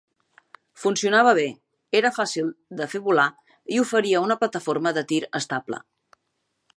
Funcionava bé, era fàcil de fer volar i oferia una plataforma de tir estable.